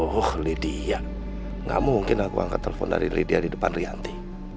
aduh lydia gak mungkin aku angkat telepon dari lydia di depan rianti